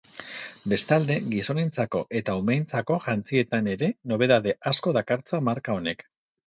Bestalde, gizonentzako eta umeentzako jantzietan ere nobedade asko dakartza marka honek.